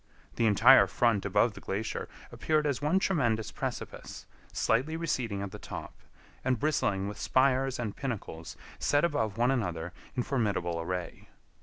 The entire front above the glacier appeared as one tremendous precipice, slightly receding at the top, and bristling with spires and pinnacles set above one another in formidable array.